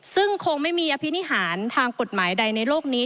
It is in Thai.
ซึ่งคงไม่มีอภินิหารทางกฎหมายใดในโลกนี้